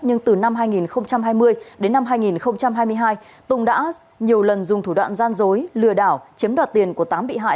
nhưng từ năm hai nghìn hai mươi đến năm hai nghìn hai mươi hai tùng đã nhiều lần dùng thủ đoạn gian dối lừa đảo chiếm đoạt tiền của tám bị hại